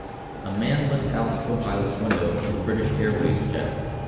A man looks out the copilot s window of a British Airways jet